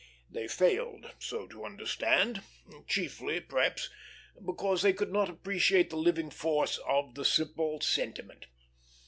They failed so to understand; chiefly, perhaps, because they could not appreciate the living force of the simple sentiment.